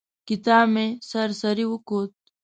کتاب مې سر سري وکوت.